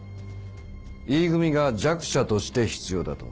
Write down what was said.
「Ｅ組が弱者として必要だと」